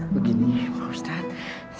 begini pak ustadz